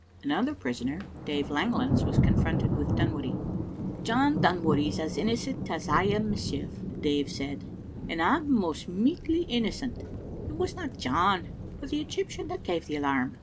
Another prisoner, Dave Langlands, was confronted with Dunwoodie. "John Dunwoodie's as innocent as I am mysel," Dave said, "and I'm most michty innocent. It wasna John but the Egyptian that gave the alarm.